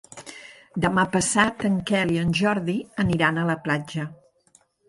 Demà passat en Quel i en Jordi aniran a la platja.